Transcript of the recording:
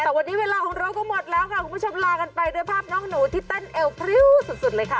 แต่วันนี้เวลาของเราก็หมดแล้วค่ะคุณผู้ชมลากันไปด้วยภาพน้องหนูที่เต้นเอวพริ้วสุดเลยค่ะ